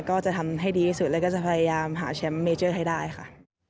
ก็จะทำให้ดีที่สุดแล้วก็จะพยายามหาแชมป์เมเจอร์ให้ได้ค่ะ